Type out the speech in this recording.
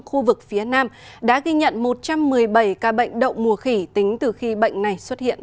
khu vực phía nam đã ghi nhận một trăm một mươi bảy ca bệnh đậu mùa khỉ tính từ khi bệnh này xuất hiện